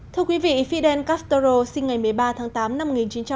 thưa quý vị fidel castro sinh ngày một mươi ba tháng tám năm một nghìn chín trăm tám mươi